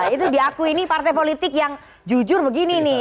itu diakui ini partai politik yang jujur begini nih